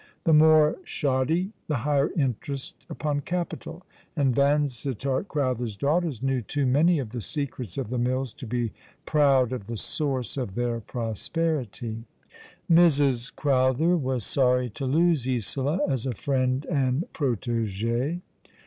The more shoddy the higher interest upon capital; and Vansittart Crowther's daughters knew too many of the secrets of the mills to be proud of the source of their prosperity. Mrs. Crowther was sorry to lose Isola as a friend and protegee.